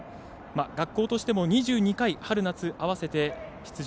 学校としても２２回春夏合わせて出場。